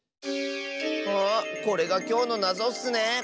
あこれがきょうのなぞッスね！